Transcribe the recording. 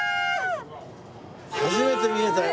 初めて見えたよ。